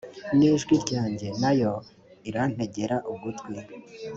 n ijwi ryanjye na yo irantegera ugutwi